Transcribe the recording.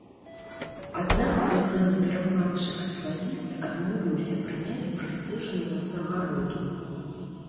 Аднак прызнаны перакладчык і славіст адмовіўся прыняць прэстыжную ўзнагароду.